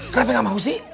kenapa gak mau sih